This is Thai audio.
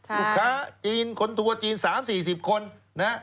ลูกค้าจีนคนทัวร์จีน๓๔๐คนนะ